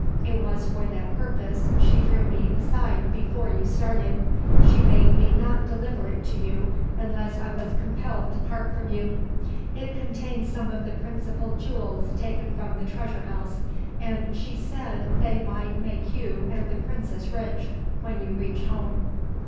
It was for that purpose she drew me aside, before you started. She bade me not deliver it to you, unless I was compelled to part from you. It contains some of the principal jewels taken from the treasure house; and she said they might make you and the princess rich, when you reach home.